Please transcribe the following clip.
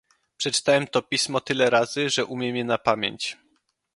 "Przeczytałem to pismo tyle razy, że umiem je na pamięć."